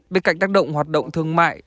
bên cạnh tác động hoạt động thương mại